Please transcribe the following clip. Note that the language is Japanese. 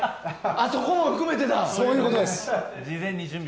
あ、そこも含めてだ。